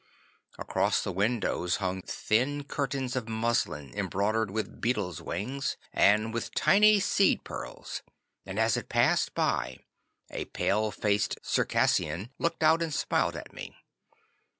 Across the windows hung thin curtains of muslin embroidered with beetles' wings and with tiny seed pearls, and as it passed by a pale faced Circassian looked out and smiled at me.